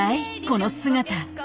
この姿」。